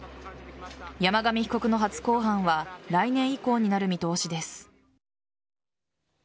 山上被告の初公判は来年以降になる見通しです。